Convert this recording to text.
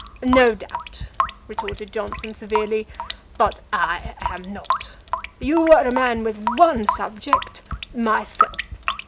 "No doubt," retorted Johnson, severely, "but I am not. You are a man with one subject myself.